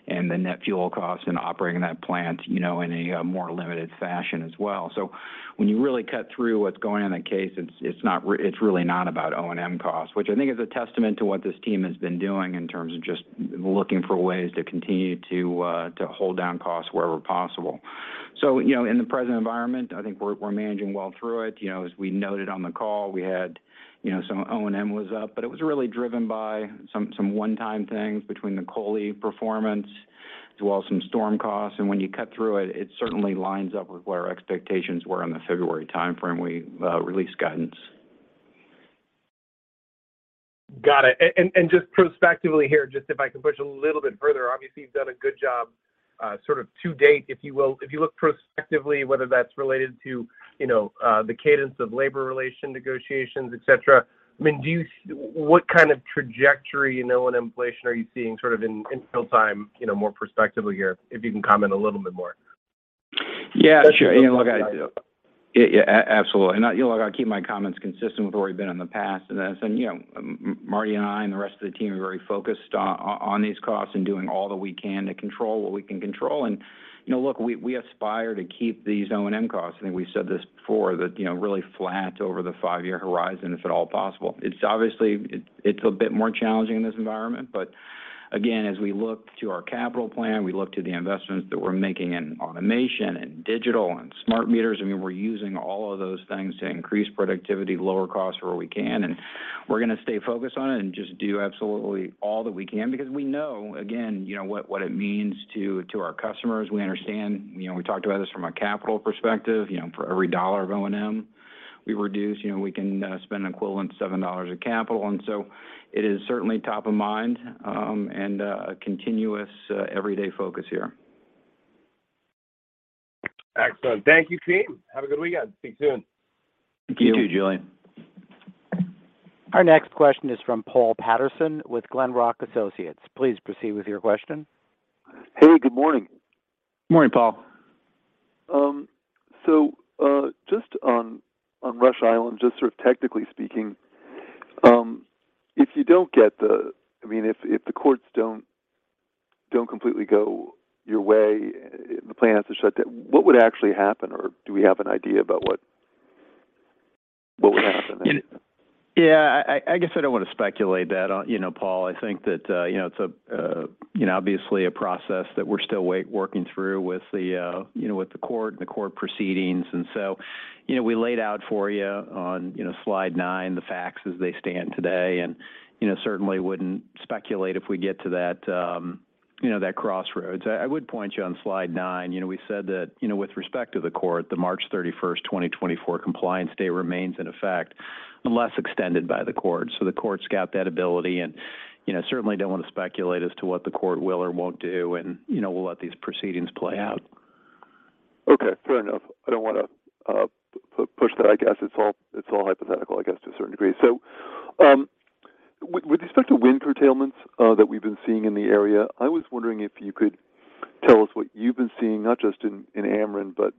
and the net fuel costs in operating that plant, you know, in a more limited fashion as well. When you really cut through what's going on in that case, it's really not about O&M costs, which I think is a testament to what this team has been doing in terms of just looking for ways to continue to hold down costs wherever possible. You know, in the present environment, I think we're managing well through it. You know, as we noted on the call, we had, you know, some O&M was up but it was really driven by some one-time things between the COLI performance as well as some storm costs. When you cut through it certainly lines up with what our expectations were on the February timeframe we released guidance. Got it. Just prospectively here, just if I can push a little bit further. Obviously, you've done a good job, sort of to date, if you will. If you look prospectively, whether that's related to, you know, the cadence of labor relations negotiations, et cetera, I mean, do you see what kind of trajectory, you know, in inflation are you seeing sort of in real time, you know, more prospectively here, if you can comment a little bit more? Yeah, sure. You know, look, I do. Yeah, absolutely. You know, look, I'll keep my comments consistent with where we've been in the past. As you know, Marty and I and the rest of the team are very focused on these costs and doing all that we can to control what we can control. You know, look, we aspire to keep these O&M costs, I think we've said this before, that you know, really flat over the five-year horizon, if at all possible. It's obviously a bit more challenging in this environment. Again, as we look to our capital plan, we look to the investments that we're making in automation and digital and smart meters. I mean, we're using all of those things to increase productivity, lower costs where we can. We're gonna stay focused on it and just do absolutely all that we can because we know, again, you know, what it means to our customers. We understand, you know, we talked about this from a capital perspective. You know, for every dollar of O&M we reduce, you know, we can spend equivalent $7 of capital. It is certainly top of mind and a continuous, everyday focus here. Excellent. Thank you, team. Have a good weekend. Speak soon. Thank you. You too, Julien. Our next question is from Paul Patterson with Glenrock Associates. Please proceed with your question. Hey, good morning. Morning, Paul. Just on Rush Island, just sort of technically speaking, I mean, if the courts don't completely go your way, the plant has to shut down. What would actually happen or do we have an idea about what would happen? Yeah. I guess I don't want to speculate that on, you know, Paul. I think that, you know, it's a, you know, obviously a process that we're still working through with the, you know, with the court and the court proceedings. We laid out for you on, you know, slide 9 the facts as they stand today and, you know, certainly wouldn't speculate if we get to that, you know, that crossroads. I would point you on slide 9. You know, we said that, you know, with respect to the court, 31 the March 2024 compliance date remains in effect unless extended by the court. The court's got that ability and, you know, certainly don't want to speculate as to what the court will or won't do and, you know, we'll let these proceedings play out. Okay. Fair enough. I don't wanna push that, I guess. It's all hypothetical, I guess, to a certain degree. With respect to wind curtailments that we've been seeing in the area, I was wondering if you could tell us what you've been seeing, not just in Ameren but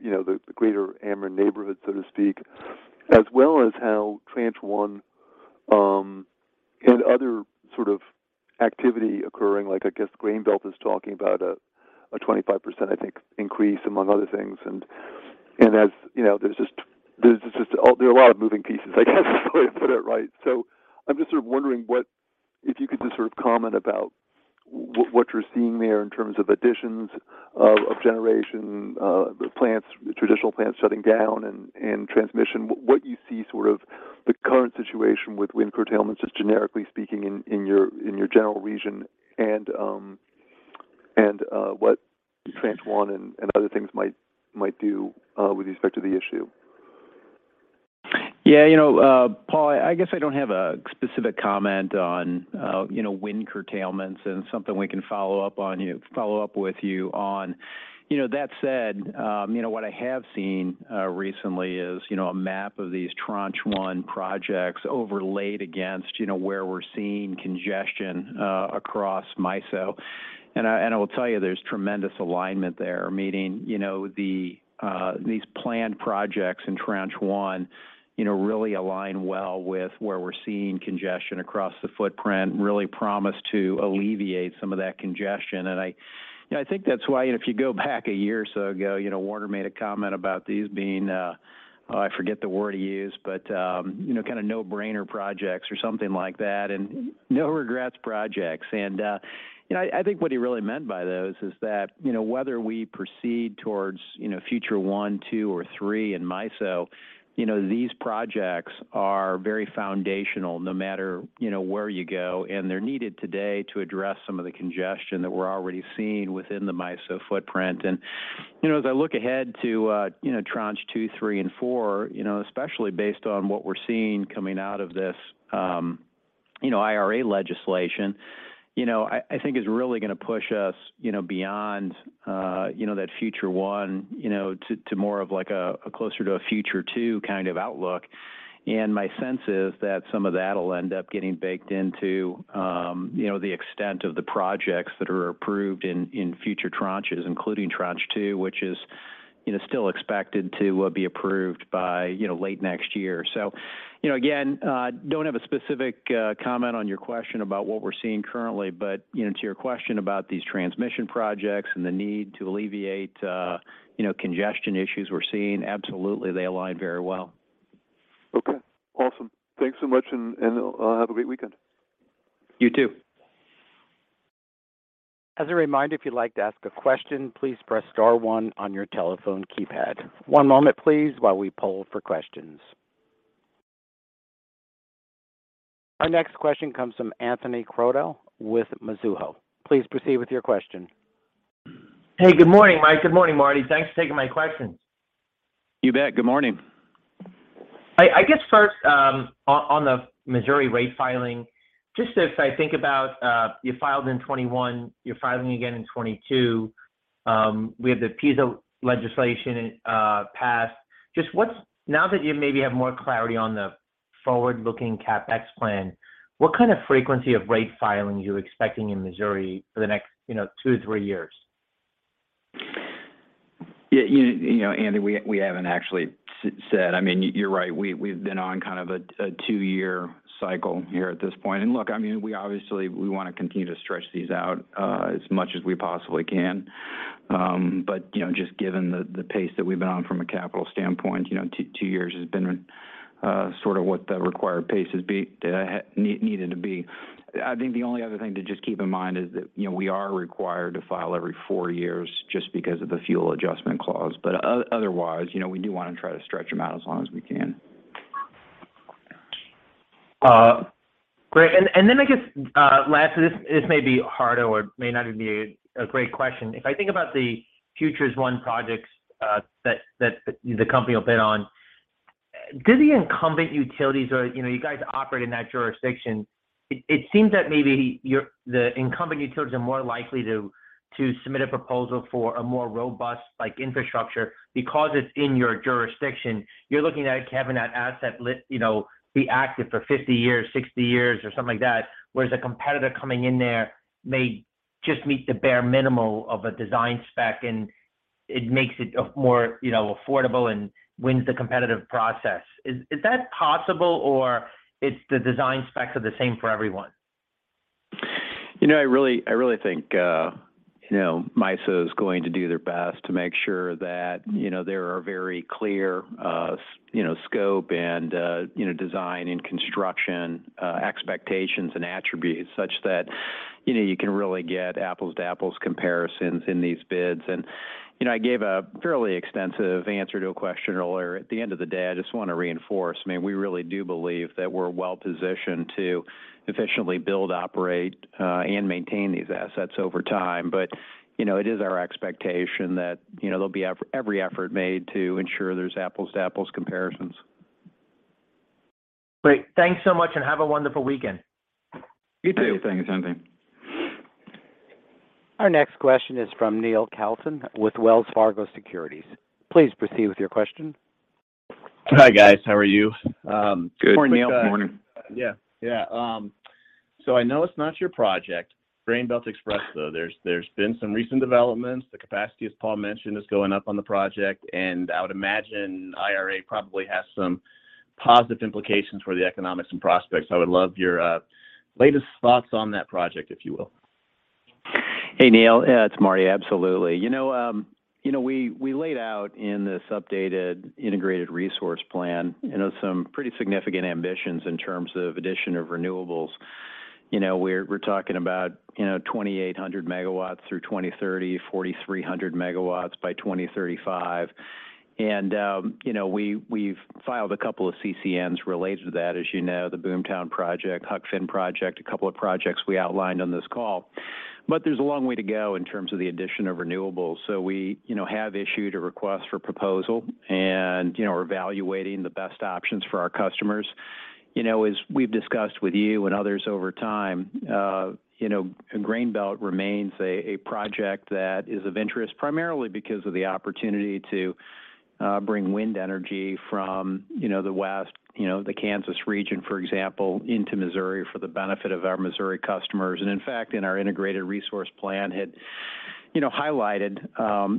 you know, the greater Ameren neighborhood, so to speak, as well as how Tranche One and other sort of activity occurring, like I guess Grain Belt is talking about a 25%, I think, increase among other things. As you know, there are a lot of moving pieces, I guess, is the way to put it, right? I'm just sort of wondering what if you could just sort of comment about what you're seeing there in terms of additions of generation, the plants, the traditional plants shutting down and transmission, what you see sort of the current situation with wind curtailments, just generically speaking in your general region and what Tranche One and other things might do with respect to the issue. Yeah. You know, Paul, I guess I don't have a specific comment on, you know, wind curtailments and something we can follow up with you on. You know, that said, you know, what I have seen recently is, you know, a map of these Tranche One projects overlaid against, you know, where we're seeing congestion across MISO. I will tell you there's tremendous alignment there, meaning, you know, these planned projects in Tranche One, you know, really align well with where we're seeing congestion across the footprint, really promise to alleviate some of that congestion. I think that's why, if you go back a year or so ago, you know, Warner made a comment about these being, oh, I forget the word he used but, you know, kind of no-brainer projects or something like that and no regrets projects. I think what he really meant by those is that, you know, whether we proceed towards, you know, Future 1, 2 or 3 in MISO, you know, these projects are very foundational, no matter, you know, where you go. They're needed today to address some of the congestion that we're already seeing within the MISO footprint. You know, as I look ahead to Tranche Two, three and four, you know, especially based on what we're seeing coming out of this IRA legislation, you know, I think is really gonna push us, you know, beyond that Future 1, you know, to more of like a closer to a Future 2 kind of outlook. My sense is that some of that'll end up getting baked into the extent of the projects that are approved in future tranches, including Tranche Two, which is, you know, still expected to be approved by late next year. You know, again, don't have a specific comment on your question about what we're seeing currently but you know, to your question about these transmission projects and the need to alleviate you know, congestion issues we're seeing, absolutely they align very well. Okay. Awesome. Thanks so much and have a great weekend. You too. As a reminder, if you'd like to ask a question, please press star one on your telephone keypad. One moment, please, while we poll for questions. Our next question comes from Anthony Crowdell with Mizuho. Please proceed with your question. Hey, good morning, Mike. Good morning, Marty. Thanks for taking my questions. You bet. Good morning. I guess first, on the Missouri rate filing, just as I think about, you filed in 2021, you're filing again in 2022, we have the PISA legislation passed. Now that you maybe have more clarity on the forward-looking CapEx plan, what kind of frequency of rate filings are you expecting in Missouri for the next, you know, two to three years? Yeah, you know, Anthony, we haven't actually said. I mean, you're right. We've been on kind of a two-year cycle here at this point. Look, I mean, we obviously wanna continue to stretch these out as much as we possibly can. You know, just given the pace that we've been on from a capital standpoint, you know, two years has been sort of what the required pace has needed to be. I think the only other thing to just keep in mind is that, you know, we are required to file every four years just because of the fuel adjustment clause. Otherwise, you know, we do wanna try to stretch them out as long as we can. Great. Then I guess last, this may be harder or may not even be a great question. If I think about the Future 1 projects that the company will bid on, do the incumbent utilities or you know, you guys operate in that jurisdiction. It seems that maybe your the incumbent utilities are more likely to submit a proposal for a more robust, like, infrastructure because it's in your jurisdiction. You're looking at having that asset you know, be active for 50 years, 60 years or something like that, whereas a competitor coming in there may just meet the bare minimum of a design spec and it makes it a more, you know, affordable and wins the competitive process. Is that possible or it's the design specs are the same for everyone? You know, I really think, you know, MISO is going to do their best to make sure that, you know, there are very clear, you know, scope and, you know, design and construction, expectations and attributes such that, you know, you can really get apples to apples comparisons in these bids. I gave a fairly extensive answer to a question earlier. At the end of the day, I just wanna reinforce, I mean, we really do believe that we're well-positioned to efficiently build, operate and maintain these assets over time. It is our expectation that, you know, there'll be every effort made to ensure there's apples to apples comparisons. Great. Thanks so much and have a wonderful weekend. You too. Thanks. Same thing. Our next question is from Neil Kalton with Wells Fargo Securities. Please proceed with your question. Hi, guys. How are you? Good. Morning, Neil. Good morning. Yeah. I know it's not your project, Grain Belt Express, though. There's been some recent developments. The capacity, as Paul mentioned, is going up on the project. I would imagine IRA probably has some positive implications for the economics and prospects. I would love your latest thoughts on that project, if you will. Hey, Neil. Yeah, it's Marty. Absolutely. You know, you know, we laid out in this updated integrated resource plan, you know, some pretty significant ambitions in terms of addition of renewables. You know, we're talking about, you know, 2,800 megawatts through 2030, 4,300 megawatts by 2035. You know, we've filed a couple of CCNs related to that, as you know, the Boomtown project, Huck Finn project, a couple of projects we outlined on this call. There's a long way to go in terms of the addition of renewables. We, you know, have issued a request for proposal and, you know, are evaluating the best options for our customers. You know, as we've discussed with you and others over time, you know, Grain Belt remains a project that is of interest primarily because of the opportunity to bring wind energy from, you know, the west, you know, the Kansas region, for example, into Missouri for the benefit of our Missouri customers. In fact, in our integrated resource plan had highlighted,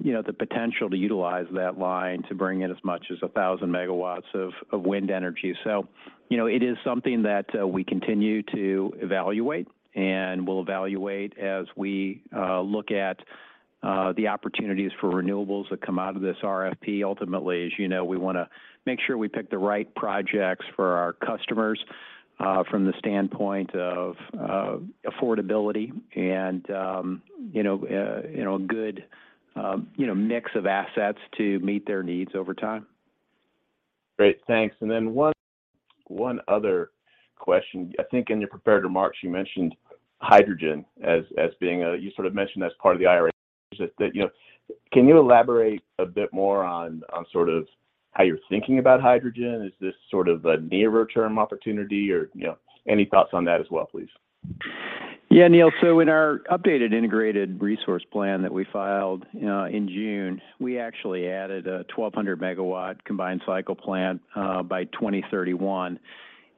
you know, the potential to utilize that line to bring in as much as 1,000 megawatts of wind energy. You know, it is something that we continue to evaluate and will evaluate as we look at the opportunities for renewables that come out of this RFP. Ultimately, as you know, we wanna make sure we pick the right projects for our customers from the standpoint of affordability and, you know, a good, you know, mix of assets to meet their needs over time. Great. Thanks. One other question. I think in your prepared remarks you mentioned hydrogen. You sort of mentioned as part of the IRA. Just that, you know, can you elaborate a bit more on sort of how you're thinking about hydrogen? Is this sort of a nearer term opportunity or, you know, any thoughts on that as well, please? Yeah, Neil. In our updated integrated resource plan that we filed, you know, in June, we actually added a 1,200 megawatt combined cycle plant by 2031.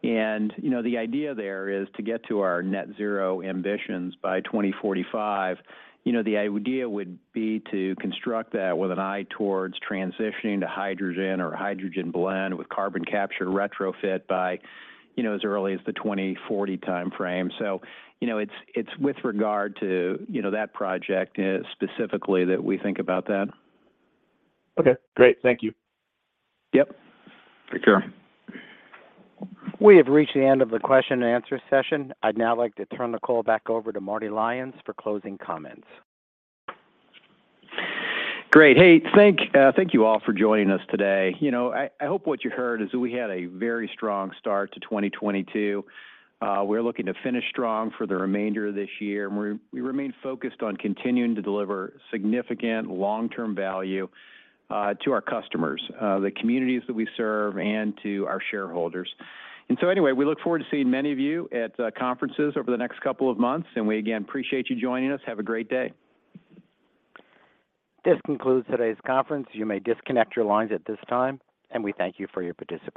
You know, the idea there is to get to our net zero ambitions by 2045. You know, the idea would be to construct that with an eye towards transitioning to hydrogen or hydrogen blend with carbon capture retrofit by, you know, as early as the 2040 timeframe. You know, it's with regard to, you know, that project specifically that we think about that. Okay, great. Thank you. Yep. Take care. We have reached the end of the question and answer session. I'd now like to turn the call back over to Marty Lyons for closing comments. Great. Hey, thank you all for joining us today. You know, I hope what you heard is that we had a very strong start to 2022. We're looking to finish strong for the remainder of this year and we remain focused on continuing to deliver significant long-term value to our customers, the communities that we serve and to our shareholders. Anyway, we look forward to seeing many of you at conferences over the next couple of months and we again appreciate you joining us. Have a great day. This concludes today's conference. You may disconnect your lines at this time and we thank you for your participation.